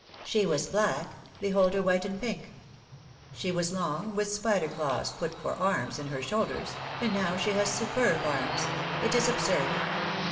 She was black, behold her white and pink; she was long, with spider claws put for arms in her shoulders; and now she has superb arms. It is absurd